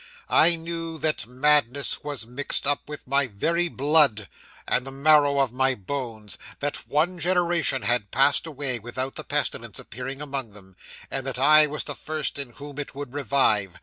I knew that madness was mixed up with my very blood, and the marrow of my bones! that one generation had passed away without the pestilence appearing among them, and that I was the first in whom it would revive.